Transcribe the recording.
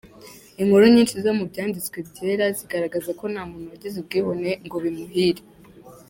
Inkuru nyinshi zo mu Byanditswe byera zigaragaza ko nta muntu wagize ubwibone ngo bimuhire.